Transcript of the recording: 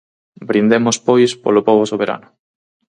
Brindemos pois polo pobo soberano.